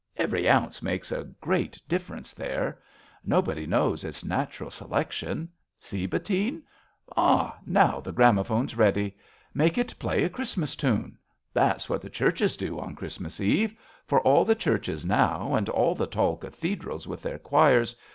Every ounce Makes a great difference there. Nobody knows. It's natural selection. See, Bettine? Ah, now the gramophone's ready. Make it play A Christmas tune. That's what the churches do On Christmas Eve : for all the churches now, And all the tall cathedrals with their choirs.